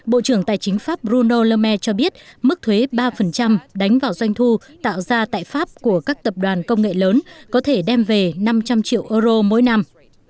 bộ trưởng tài chính pháp bruno le mair cho biết mức thuế ba đánh vào doanh thu tạo ra tại pháp của các tập đoàn công nghệ lớn có thể đem về năm trăm linh triệu euro mỗi năm